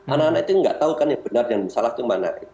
anak anak itu tidak tahu kan yang benar dan yang salah itu mana